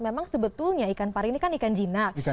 memang sebetulnya ikan pari ini kan ikan jinak